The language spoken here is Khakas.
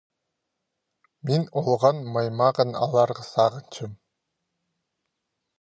Мин олған маймағын аларға сағынчам.